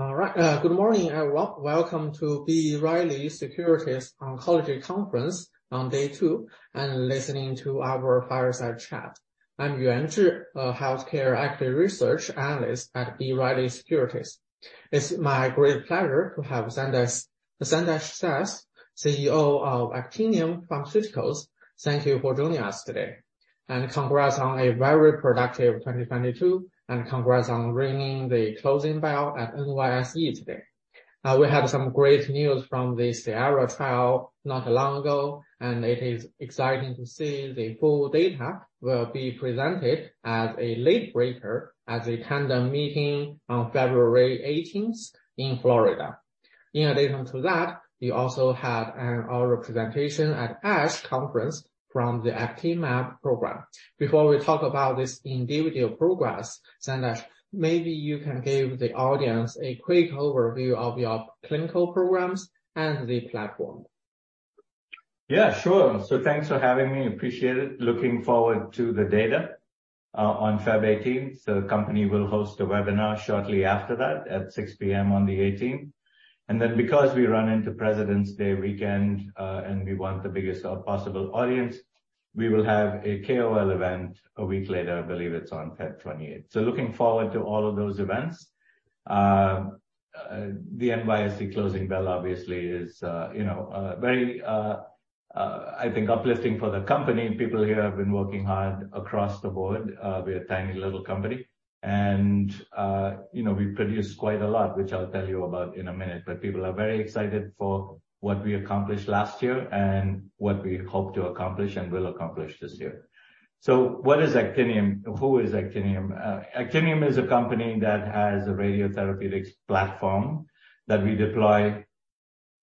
All right, good morning, everyone. Welcome to B. Riley Securities Oncology Conference on day two, listening to our fireside chat. I'm Yuan Zhi, healthcare equity research analyst at B. Riley Securities. It's my great pleasure to have Sandesh Seth, CEO of Actinium Pharmaceuticals. Thank you for joining us today, congrats on a very productive 2022, congrats on ringing the closing bell at NYSE today. We had some great news from the SIERRA trial not long ago, it is exciting to see the full data will be presented as a late breaker at the Tandem Meetings on February 18 in Florida. In addition to that, we also had an all-representation at ASH Conference from the Actimab program. Before we talk about this individual progress, Sandesh, maybe you can give the audience a quick overview of your clinical programs and the platform. Yeah, sure. Thanks for having me. Appreciate it. Looking forward to the data on February 18. The company will host a webinar shortly after that at 6:00PM. on the 18th. Because we run into President's Day weekend, and we want the biggest possible audience, we will have a KOL event a week later, I believe it's on February 28. Looking forward to all of those events. The NYSE closing bell obviously is, you know, very, I think uplifting for the company. People here have been working hard across the board. We're a tiny little company, and, you know, we produce quite a lot, which I'll tell you about in a minute. People are very excited for what we accomplished last year and what we hope to accomplish and will accomplish this year. What is Actinium? Who is Actinium? Actinium is a company that has a radiotherapeutics platform that we deploy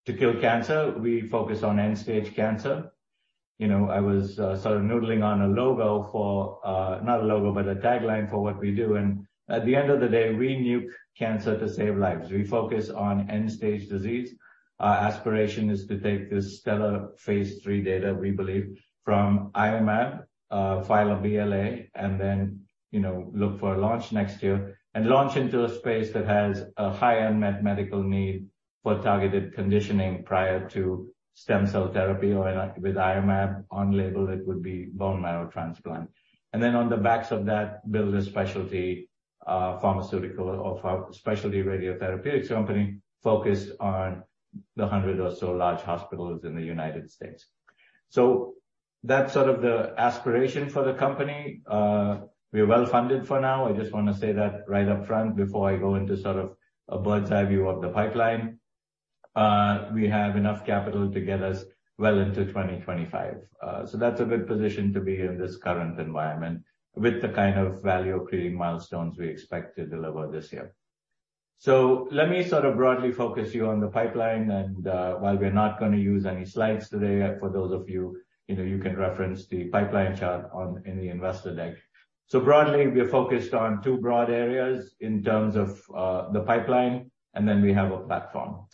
to kill cancer. We focus on end-stage cancer. You know, I was, sort of noodling on a logo for, not a logo, but a tagline for what we do. At the end of the day, we nuke cancer to save lives. We focus on end-stage disease. Our aspiration is to take this stellar phase III data, we believe, from Iomab, file a BLA, and then, you know, look for a launch next year and launch into a space that has a high unmet medical need for targeted conditioning prior to stem cell therapy. With Iomab on label, it would be bone marrow transplant. On the backs of that, build a specialty, pharmaceutical or pharma specialty radiotherapeutics company focused on the 100 or so large hospitals in the United States. That's sort of the aspiration for the company. We're well-funded for now. I just want to say that right up front before I go into sort of a bird's eye view of the pipeline. We have enough capital to get us well into 2025. That's a good position to be in this current environment with the kind of value-creating milestones we expect to deliver this year. Let me sort of broadly focus you on the pipeline. While we're not going to use any slides today, for those of you know, you can reference the pipeline chart on in the investor deck. Broadly, we're focused on two broad areas in terms of the pipeline, and then we have a platform.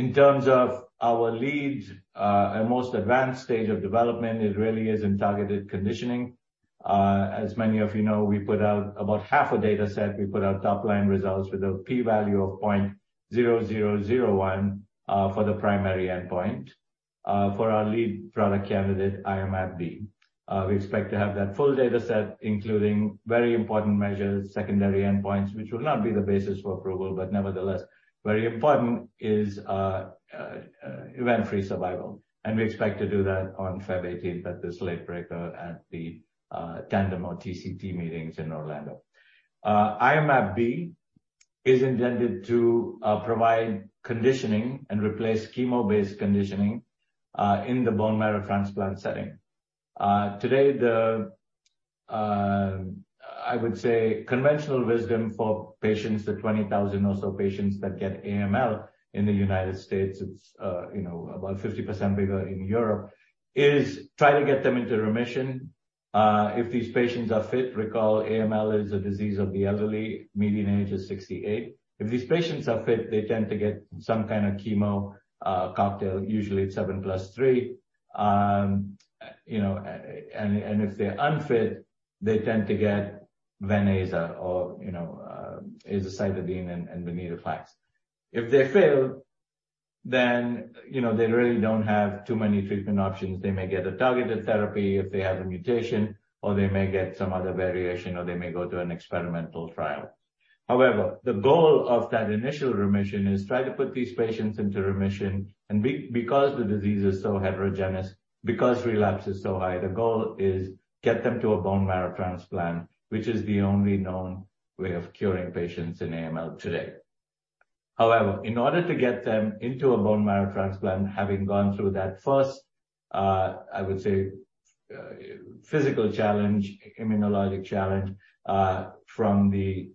In terms of our lead, our most advanced stage of development, it really is in targeted conditioning. As many of you know, we put out about half a data set. We put out top-line results with a p-value of 0.0001 for the primary endpoint, for our lead product candidate, Iomab-B. We expect to have that full data set, including very important measures, secondary endpoints, which will not be the basis for approval, but nevertheless, very important is event-free survival. We expect to do that on February 18 at this late breaker at the Tandem or TCT Meetings in Orlando. Iomab-B is intended to provide conditioning and replace chemo-based conditioning in the bone marrow transplant setting. Today, the, I would say conventional wisdom for patients, the 20,000 or so patients that get AML in the United States, it's, you know, about 50% bigger in Europe, is try to get them into remission. If these patients are fit. Recall, AML is a disease of the elderly. Median age is 68. If these patients are fit, they tend to get some kind of chemo cocktail. Usually, it's 7+3, you know, and if they're unfit, they tend to get Venclexta or, you know, azacitidine and venetoclax. If they fail, then, you know, they really don't have too many treatment options. They may get a targeted therapy if they have a mutation, or they may get some other variation, or they may go to an experimental trial. However, the goal of that initial remission is to try to put these patients into remission. Because the disease is so heterogeneous, because relapse is so high, the goal is to get them to a bone marrow transplant, which is the only known way of curing patients in AML today. In order to get them into a bone marrow transplant, having gone through that first, I would say, physical challenge, immunologic challenge, from the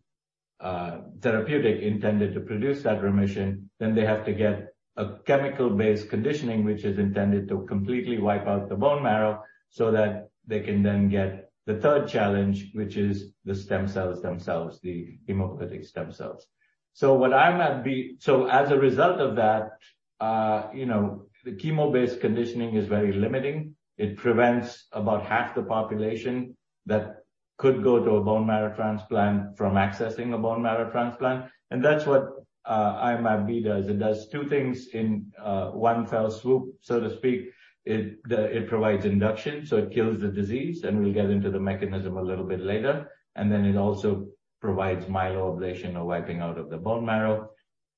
therapeutic intended to produce that remission, then they have to get a chemical-based conditioning, which is intended to completely wipe out the bone marrow so that they can then get the third challenge, which is the stem cells themselves, the hematopoietic stem cells. As a result of that, you know, the chemo-based conditioning is very limiting. It prevents about half the population that could go to a bone marrow transplant from accessing a bone marrow transplant. That's what Iomab-B does. It does two things in one fell swoop, so to speak. It provides induction, so it kills the disease. We'll get into the mechanism a little bit later. It also provides myeloablation or wiping out of the bone marrow.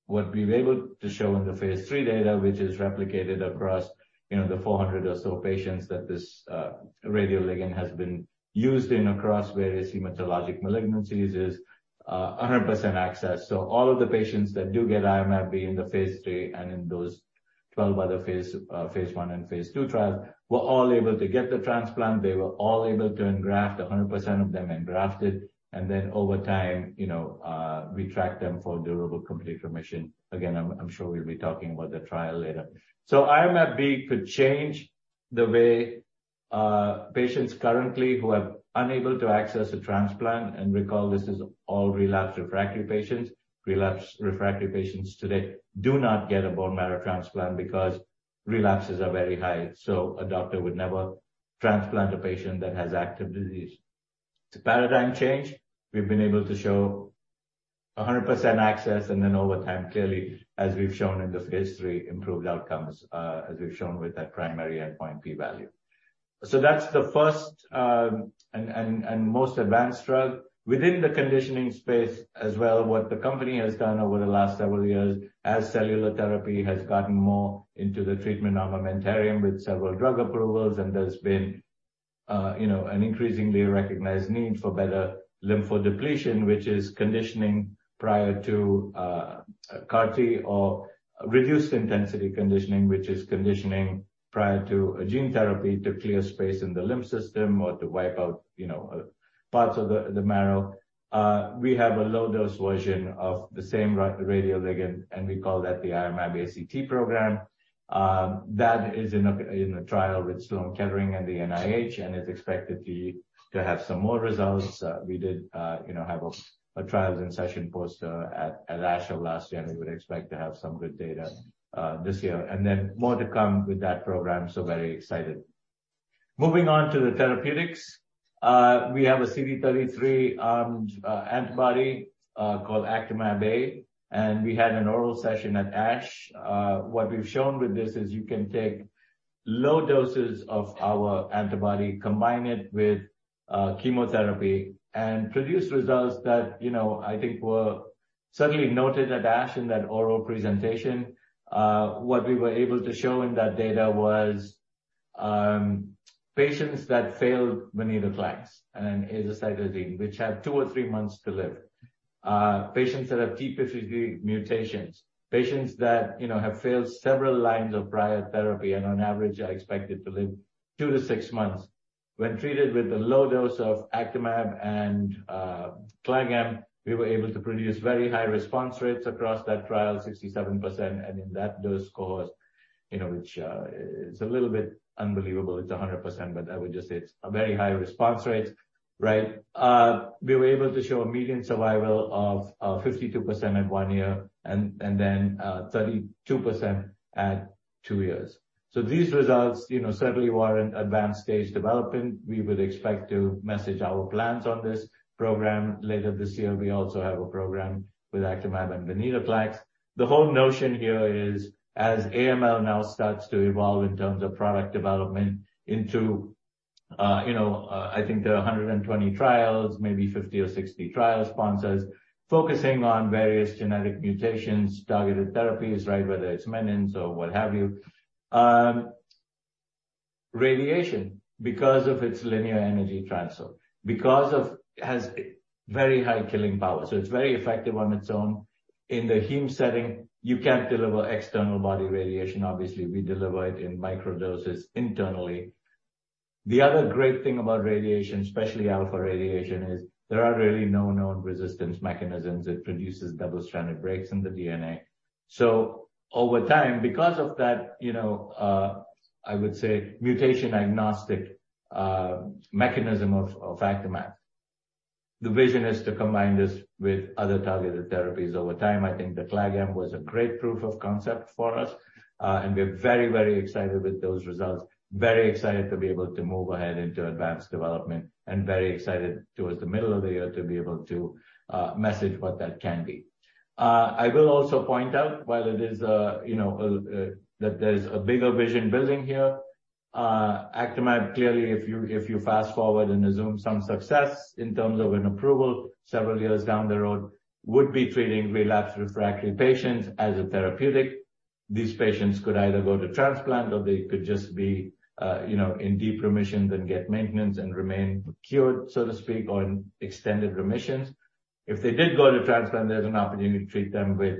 What we've been able to show in the phase III data, which is replicated across, you know, the 400 or so patients that this radioligand has been used in across various hematologic malignancies, is, 100% access. All of the patients that do get Iomab-B in the phase III and in those 12 other phase I and phase II trials were all able to get the transplant. They were all able to engraft, 100% of them engrafted, and then over time, you know, we tracked them for durable complete remission. Again, I'm sure we'll be talking about the trial later. Iomab-B could change the way patients currently who are unable to access a transplant, and recall, this is all relapsed refractory patients today do not get a bone marrow transplant because relapses are very high. A doctor would never transplant a patient that has active disease. It's a paradigm change. We've been able to show 100% access, and then over time, clearly, as we've shown in the phase III, improved outcomes, as we've shown with that primary endpoint p-value. That's the first and most advanced drug. Within the conditioning space as well, what the company has done over the last several years as cellular therapy has gotten more into the treatment armamentarium with several drug approvals. There's been, you know, an increasingly recognized need for better lymphodepletion, which is conditioning prior to CAR-T or reduced-intensity conditioning, which is conditioning prior to a gene therapy to clear space in the lymph system or to wipe out, you know, parts of the marrow. We have a low-dose version of the same radioligand, and we call that the Iomab-ACT program. That is in a trial with Sloan Kettering and the NIH, and it's expected to have some more results. We did, you know, have a trial's in session poster at ASH of last year. We would expect to have some good data this year. More to come with that program. Very excited. Moving on to the therapeutics, we have a CD33-armed antibody, called Actimab-A. We had an oral session at ASH. what we've shown with this is you can take low doses of our antibody, combine it with chemotherapy and produce results that you know, I think were certainly noted at ASH in that oral presentation. what we were able to show in that data was patients that failed venetoclax and azacitidine, which had 2 or 3 months to live, patients that have TP53 mutations, patients that you know, have failed several lines of prior therapy and on average are expected to live 2 to 6 months. When treated with a low dose of Actimab and CLAG-M, we were able to produce very high response rates across that trial, 67%. In that dose course, you know, which it's a little bit unbelievable. It's 100%. I would just say it's very high response rates, right? we were able to show a median survival of, 52% at one year and then, 32% at two years. These results, you know, certainly were an advanced stage development. We would expect to message our plans on this program later this year. We also have a program with Actimab and venetoclax. The whole notion here is, as AML now starts to evolve in terms of product development into, you know, I think there are 120 trials, maybe 50 or 60 trial sponsors focusing on various genetic mutations, targeted therapies, right, whether it's menin's or what have you, radiation because of its linear energy transfer, because of it has very high killing power. It's very effective on its own. In the heme setting, you can't deliver external body radiation. Obviously, we deliver it in microdoses internally. The other great thing about radiation, especially alpha radiation, is there are really no known resistance mechanisms. It produces double-stranded breaks in the DNA. Over time, because of that, you know, I would say mutation-agnostic, mechanism of Actimab, the vision is to combine this with other targeted therapies over time. I think the CLAG-M was a great proof of concept for us. We're very, very excited with those results, very excited to be able to move ahead into advanced development, and very excited towards the middle of the year to be able to, message what that can be. I will also point out, while it is, you know, that there's a bigger vision building here, Actimab clearly, if you fast forward and assume some success in terms of an approval several years down the road, would be treating relapsed refractory patients as a therapeutic. These patients could either go to transplant, or they could just be, you know, in deep remissions and get maintenance and remain cured, so to speak, or in extended remissions. If they did go to transplant, there's an opportunity to treat them with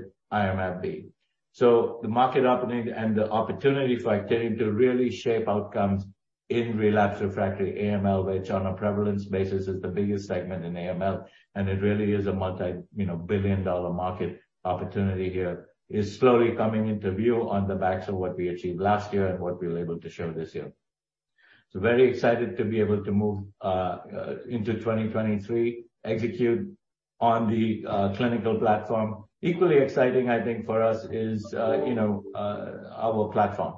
Iomab-B. The market opportunity and the opportunity for Actinium to really shape outcomes in relapsed refractory AML, which on a prevalence basis is the biggest segment in AML, and it really is a multi, you know, billion-dollar market opportunity here, is slowly coming into view on the backs of what we achieved last year and what we were able to show this year. Very excited to be able to move into 2023, execute on the clinical platform. Equally exciting, I think, for us is, you know, our platform.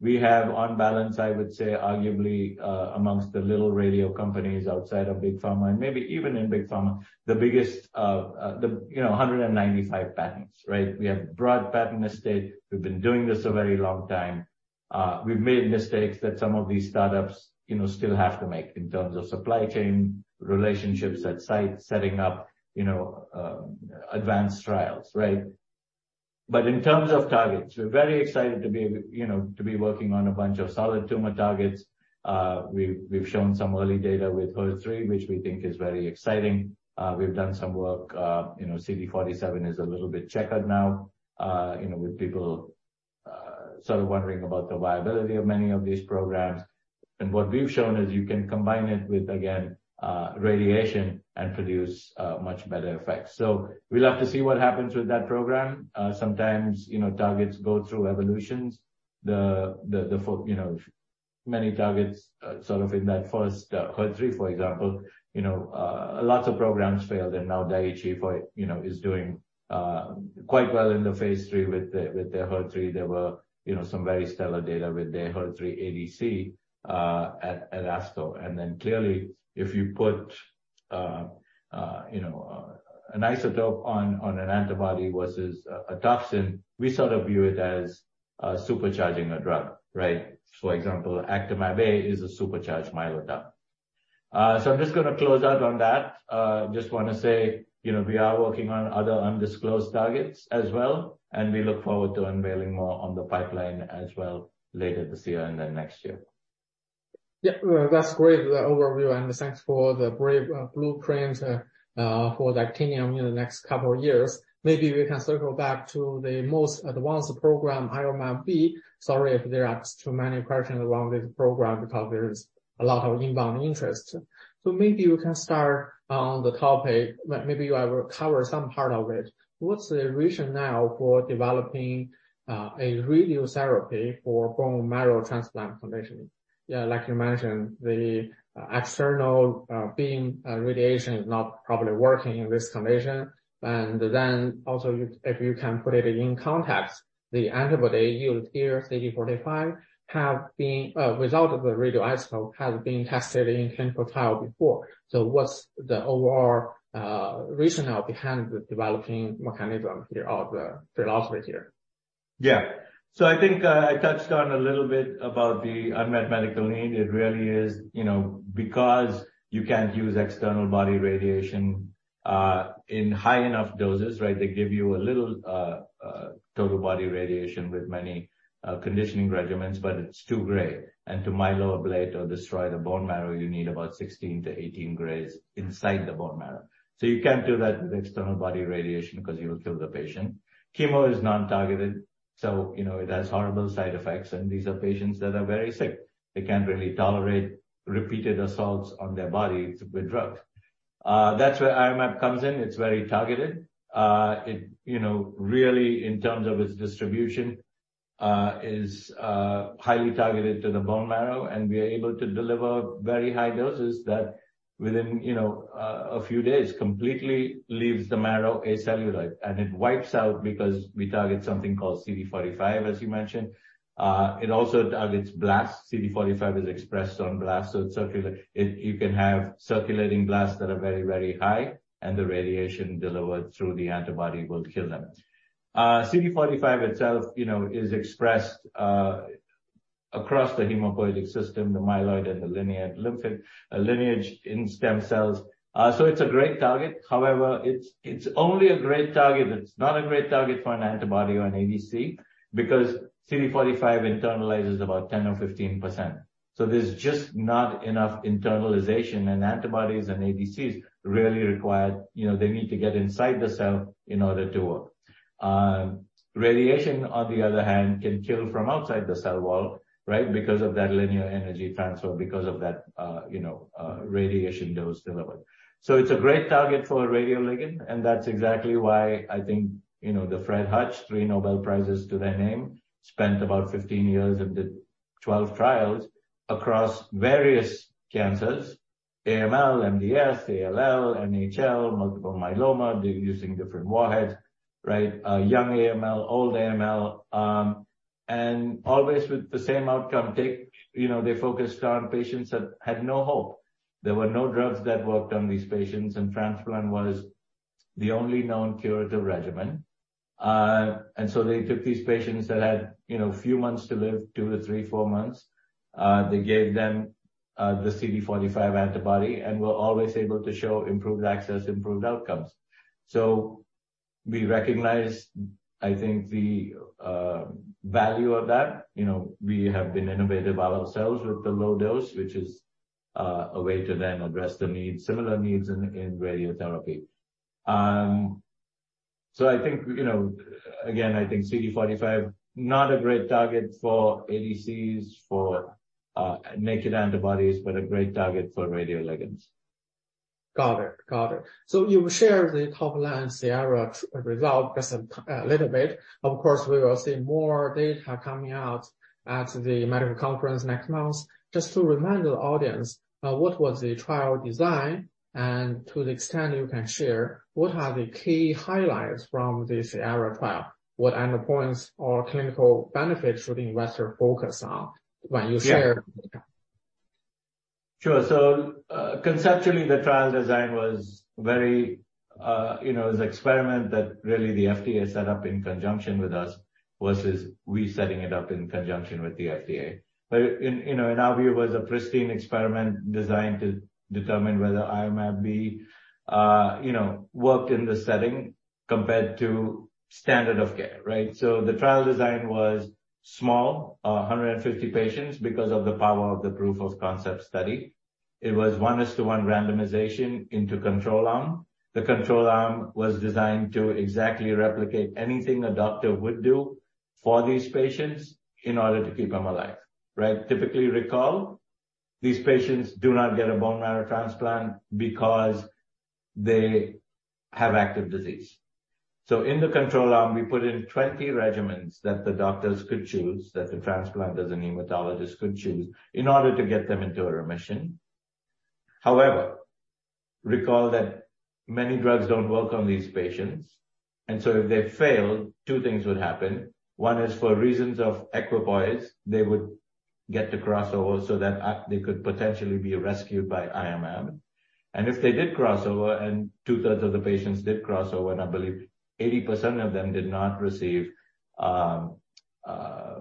We have on balance, I would say, arguably, amongst the little radio companies outside of big pharma and maybe even in big pharma, the biggest, you know, 195 patents, right? We have broad patent estate. We've been doing this a very long time. we've made mistakes that some of these startups, you know, still have to make in terms of supply chain, relationships at site, setting up, you know, advanced trials, right? In terms of targets, we're very excited to be, you know, to be working on a bunch of solid tumor targets. we've shown some early data with HER3, which we think is very exciting. we've done some work. you know, CD47 is a little bit checkered now, you know, with people, sort of wondering about the viability of many of these programs. What we've shown is you can combine it with, again, radiation and produce, much better effects. We'll have to see what happens with that program. sometimes, you know, targets go through evolutions. many targets, sort of in that first, HER3, for example, you know, lots of programs failed. Now Daiichi for it, you know, is doing quite well in the phase III with their HER3. There were, you know, some very stellar data with their HER3 ADC at ASCO. Clearly, if you put, you know, an isotope on an antibody versus a toxin, we sort of view it as supercharging a drug, right? For example, Actimab-A is a supercharged Mylotarg. I'm just going to close out on that. Just want to say, you know, we are working on other undisclosed targets as well. We look forward to unveiling more on the pipeline as well later this year and then next year. Well, that's great, the overview. Thanks for the brave, blueprints, for Actinium in the next couple of years. Maybe we can circle back to the most advanced program, Iomab-B. Sorry if there are too many questions around this program because there is a lot of inbound interest. Maybe we can start on the topic. Maybe you have covered some part of it. What's the vision now for developing, a radiotherapy for bone marrow transplant condition? Like you mentioned, the, external, beam, radiation is not probably working in this condition. Then also you if you can put it in context, the antibody used here, CD45, have been without the radioisotope, has been tested in clinical trial before. What's the overall, reason now behind the developing mechanism here or the philosophy here? Yeah. I think, I touched on a little bit about the unmet medical need. It really is, you know, because you can't use external body radiation, in high enough doses, right, they give you a little, total body radiation with many, conditioning regimens. It's too gray. To myeloablate or destroy the bone marrow, you need about 16-18 grays inside the bone marrow. You can't do that with external body radiation because you will kill the patient. Chemo is non-targeted. You know, it has horrible side effects. These are patients that are very sick. They can't really tolerate repeated assaults on their bodies with drugs. That's where Iomab comes in. It's very targeted. It, you know, really, in terms of its distribution, is highly targeted to the bone marrow. We are able to deliver very high doses that within, you know, a few days completely leaves the marrow acellular. It wipes out because we target something called CD45, as you mentioned. It also targets blasts. CD45 is expressed on blasts. You can have circulating blasts that are very, very high. The radiation delivered through the antibody will kill them. CD45 itself, you know, is expressed across the hematopoietic system, the myeloid, and the linear lymphic lineage in stem cells. It's a great target. It's only a great target. It's not a great target for an antibody or an ADC because CD45 internalizes about 10% or 15%. There's just not enough internalization. Antibodies and ADCs really require, you know, they need to get inside the cell in order to work. Radiation, on the other hand, can kill from outside the cell wall, right, because of that linear energy transfer, because of that, you know, radiation dose delivered. It's a great target for a radioligand. That's exactly why I think, you know, the Fred Hutch, three Nobel Prizes to their name, spent about 15 years and did 12 trials across various cancers: AML, MDS, ALL, NHL, multiple myeloma, using different warheads, right, young AML, old AML, and always with the same outcome, you know, they focused on patients that had no hope. There were no drugs that worked on these patients. Transplant was the only known curative regimen. They took these patients that had, you know, a few months to live, two to three, four months. They gave them the CD45 antibody and were always able to show improved access, improved outcomes. We recognize, I think, the value of that. You know, we have been innovative ourselves with the low dose, which is a way to then address the needs, similar needs in radiotherapy. I think, you know, again, I think CD45, not a great target for ADCs, for naked antibodies, but a great target for radioligands. Got it. Got it. You will share the top lines, the SIERRA result, just a little bit. Of course, we will see more data coming out at the medical conference next month. Just to remind the audience, what was the trial design? To the extent you can share, what are the key highlights from this SIERRA trial? What endpoints or clinical benefits should investors focus on when you share? Sure. Conceptually, the trial design was very, you know, it was an experiment that really the FDA set up in conjunction with us versus we setting it up in conjunction with the FDA. In, you know, in our view, it was a pristine experiment designed to determine whether Iomab-B, you know, worked in the setting compared to standard of care, right? The trial design was small, 150 patients because of the power of the proof of concept study. It was 1:1 randomization into control arm. The control arm was designed to exactly replicate anything a doctor would do for these patients in order to keep them alive, right? Typically, recall, these patients do not get a bone marrow transplant because they have active disease. In the control arm, we put in 20 regimens that the doctors could choose, that the transplanters and hematologists could choose in order to get them into a remission. However, recall that many drugs don't work on these patients. If they fail, two things would happen. One is for reasons of equipoise, they would get to crossover so that they could potentially be rescued by Iomab. If they did crossover and two-thirds of the patients did crossover, and I believe 80% of them did not receive a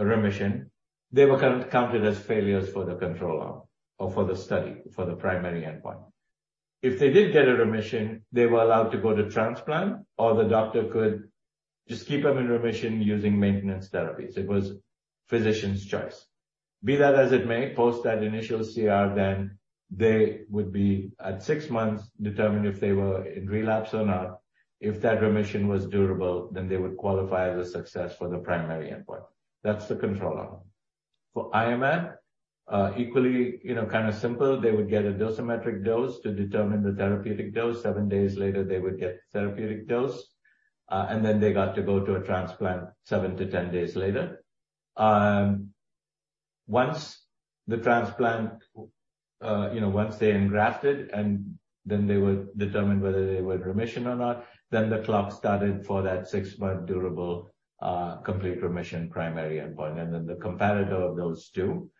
remission, they were counted as failures for the control arm or for the study, for the primary endpoint. If they did get a remission, they were allowed to go to transplant, or the doctor could just keep them in remission using maintenance therapies. It was physician's choice. Be that as it may, post that initial CR, then they would be, at six months, determined if they were in relapse or not. If that remission was durable, then they would qualify as a success for the primary endpoint. That's the control arm. For Iomab, equally, you know, kind of simple. They would get a dosimetric dose to determine the therapeutic dose. Seven days later, they would get the therapeutic dose. Then they got to go to a transplant 7-10 days later. Once the transplant, you know, once they engrafted and then they were determined whether they were in remission or not, then the clock started for that 6-month durable, complete remission primary endpoint. The comparator of those two,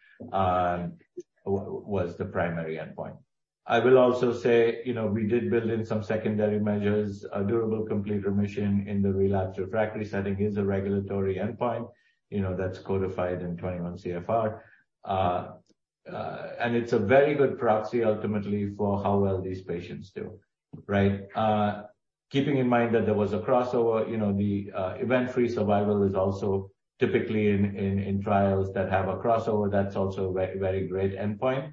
was the primary endpoint. I will also say, you know, we did build in some secondary measures. A durable complete remission in the relapsed refractory setting is a regulatory endpoint. You know, that's codified in 21 CFR. It's a very good proxy, ultimately, for how well these patients do, right? Keeping in mind that there was a crossover, you know, event-free survival is also typically in trials that have a crossover. That's also a very great endpoint,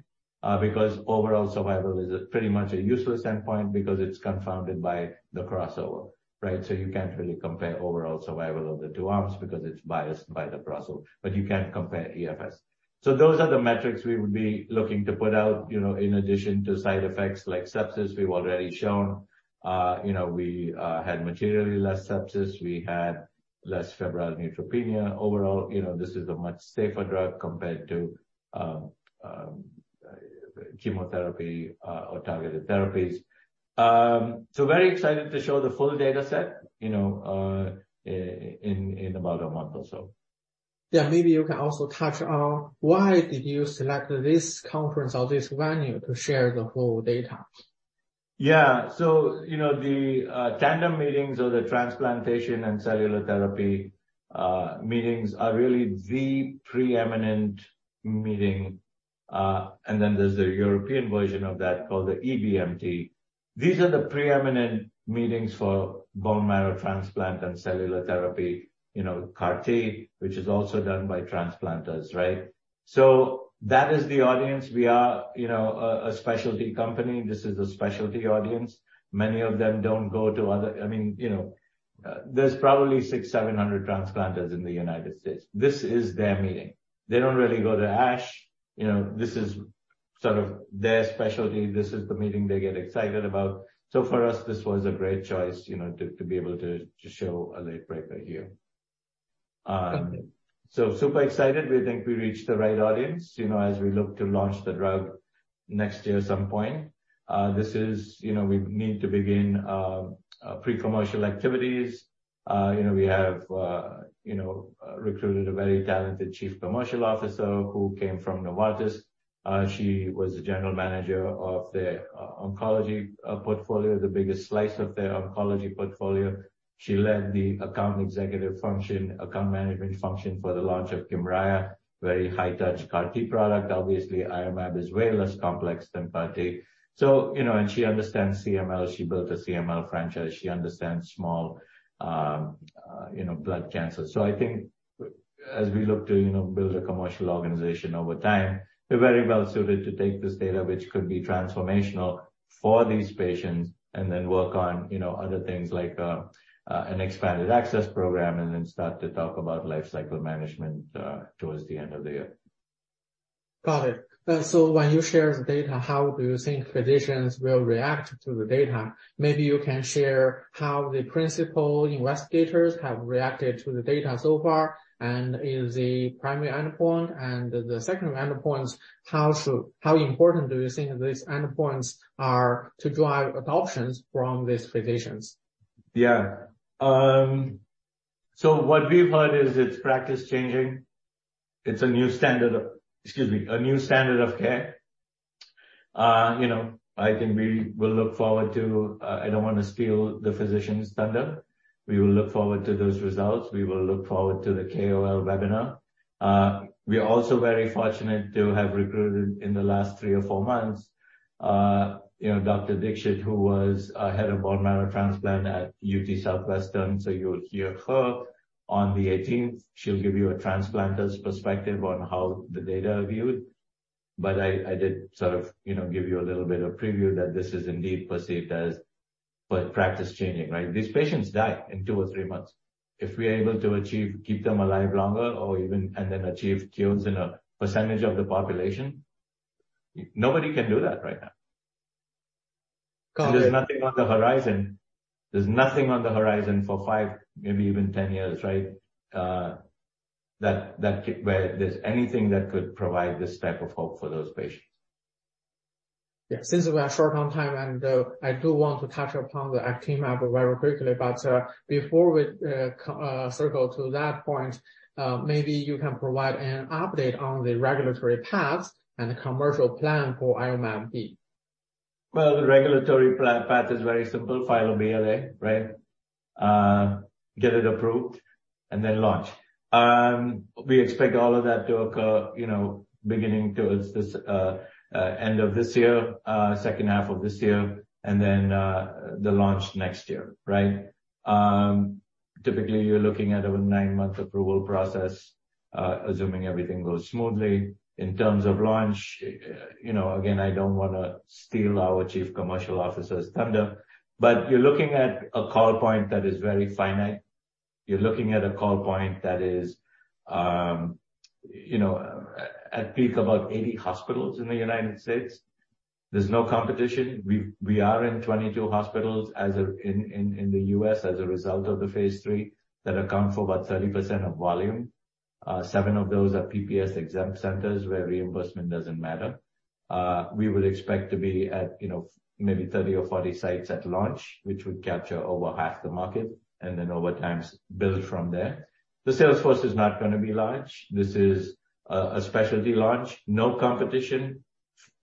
because overall survival is pretty much a useless endpoint because it's confounded by the crossover, right? You can't really compare overall survival of the two arms because it's biased by the crossover. You can compare EFS. Those are the metrics we would be looking to put out, you know, in addition to side effects like sepsis. We've already shown, you know, we had materially less sepsis. We had less febrile neutropenia. Overall, you know, this is a much safer drug compared to chemotherapy or targeted therapies. Very excited to show the full data set, you know, in about a month or so. Yeah. Maybe you can also touch on why did you select this conference or this venue to share the full data? You know, the Tandem Meetings or the Transplantation & Cellular Therapy Meetings are really the preeminent meeting. Then there's the European version of that called the EBMT. These are the preeminent meetings for bone marrow transplant and cellular therapy, you know, CAR-T, which is also done by transplanters, right? That is the audience. We are, you know, a specialty company. This is a specialty audience. Many of them don't go to other I mean, you know, there's probably 600, 700 transplanters in the United States. This is their meeting. They don't really go to ASH. You know, this is sort of their specialty. This is the meeting they get excited about. For us, this was a great choice, you know, to be able to show a late breaker here. Super excited. We think we reached the right audience, you know, as we look to launch the drug next year at some point. This is, you know, we need to begin pre-commercial activities. You know, we have, you know, recruited a very talented chief commercial officer who came from Novartis. She was the general manager of their oncology portfolio, the biggest slice of their oncology portfolio. She led the account executive function, account management function for the launch of Kymriah, very high-touch CAR-T product. Obviously, Iomab is way less complex than CAR-T. You know, she understands CML. She built a CML franchise. She understands small, you know, blood cancer. I think as we look to, you know, build a commercial organization over time, we're very well suited to take this data, which could be transformational for these patients, and then work on, you know, other things like an expanded access program and then start to talk about lifecycle management towards the end of the year. Got it. When you share the data, how do you think physicians will react to the data? Maybe you can share how the principal investigators have reacted to the data so far and is the primary endpoint and the secondary endpoints, how important do you think these endpoints are to drive adoptions from these physicians? So what we've heard is it's practice changing. It's a new standard of, excuse me, a new standard of care. You know, I think we will look forward to I don't want to steal the physician's thunder. We will look forward to those results. We will look forward to the KOL webinar. We're also very fortunate to have recruited in the last three or four months, you know, Dr. Dixit, who was a head of bone marrow transplant at UT Southwestern. You'll hear her on the 18th. She'll give you a transplanter's perspective on how the data are viewed. I did sort of, you know, give you a little bit of preview that this is indeed perceived as practice changing, right? These patients die in two or three months. If we are able to keep them alive longer or even and then achieve cures in a percentage of the population, nobody can do that right now. Got it. There's nothing on the horizon. There's nothing on the horizon for five, maybe even 10 years, right, that where there's anything that could provide this type of hope for those patients. Yeah. Since we have a short on time and, I do want to touch upon the Actinium Pharmaceuticals very quickly. before we, circle to that point, maybe you can provide an update on the regulatory path and the commercial plan for Iomab-B. Well, the regulatory path is very simple: file a BLA, right, get it approved, and then launch. We expect all of that to occur, you know, end of this year, second half of this year, the launch next year, right? Typically, you're looking at a nine-month approval process, assuming everything goes smoothly. In terms of launch, you know, again, I don't want to steal our chief commercial officer's thunder. You're looking at a call point that is very finite. You're looking at a call point that is, you know, at peak, about 80 hospitals in the United States. There's no competition. We are in 22 hospitals in the US as a result of the phase III that account for about 30% of volume. Seven of those are PPS-exempt centers where reimbursement doesn't matter. we would expect to be at, you know, maybe 30 or 40 sites at launch, which would capture over half the market and then over time, build from there. The sales force is not going to be large. This is a specialty launch. No competition.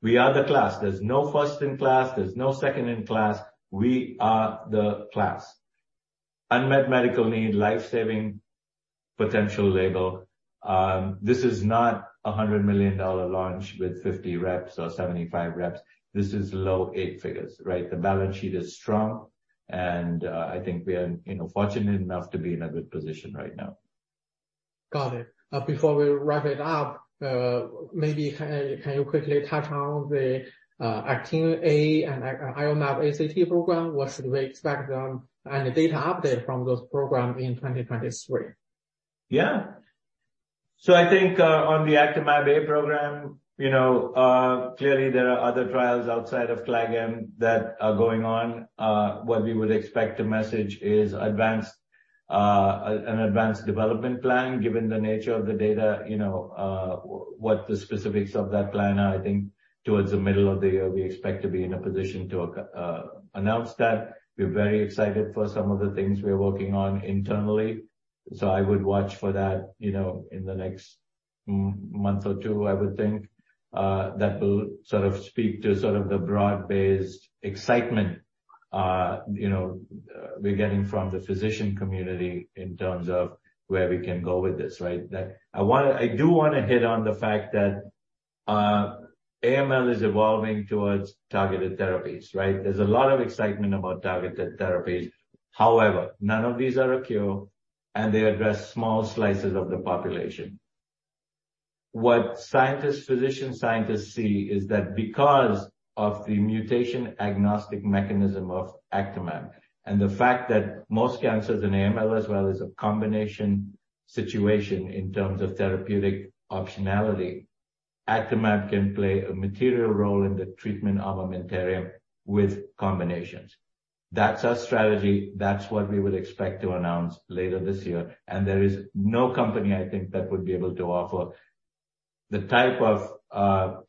We are the class. There's no first-in-class. There's no second-in-class. We are the class. Unmet medical need, lifesaving potential label. This is not a $100 million launch with 50 reps or 75 reps. This is low eight figures, right? The balance sheet is strong. I think we are, you know, fortunate enough to be in a good position right now. Got it. Before we wrap it up, maybe can you quickly touch on the Actimab-A and Iomab-ACT program? What should we expect on any data update from those programs in 2023? Yeah. I think, on the Actimab-A program, you know, clearly, there are other trials outside of CLAG-M that are going on. What we would expect to message is an advanced development plan. Given the nature of the data, you know, what the specifics of that plan are, I think towards the middle of the year, we expect to be in a position to announce that. We're very excited for some of the things we're working on internally. I would watch for that, you know, in the next month or two, I would think. That will sort of speak to the broad-based excitement, you know, we're getting from the physician community in terms of where we can go with this, right? I do want to hit on the fact that AML is evolving towards targeted therapies, right? There's a lot of excitement about targeted therapies. However, none of these are a cure, and they address small slices of the population. What scientists, physician scientists see is that because of the mutation-agnostic mechanism of Actinium and the fact that most cancers in AML as well is a combination situation in terms of therapeutic optionality, Actinium can play a material role in the treatment armamentarium with combinations. That's our strategy. That's what we would expect to announce later this year. There is no company, I think, that would be able to offer the type of,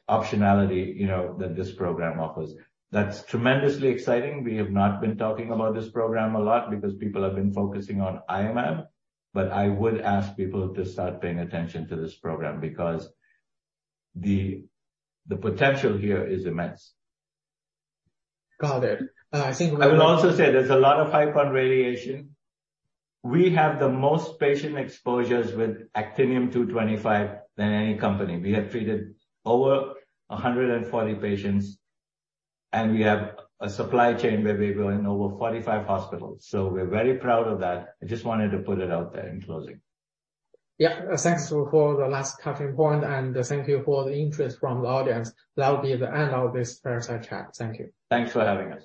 optionality, you know, that this program offers. That's tremendously exciting. We have not been talking about this program a lot because people have been focusing on Iomab. I would ask people to start paying attention to this program because the potential here is immense. Got it. I think. I will also say there's a lot of hype on radiation. We have the most patient exposures with Actinium-225 than any company. We have treated over 140 patients. We have a supply chain where we're going over 45 hospitals. We're very proud of that. I just wanted to put it out there in closing. Yeah. Thanks for the last touching point. Thank you for the interest from the audience. That will be the end of this fireside chat. Thank you. Thanks for having us.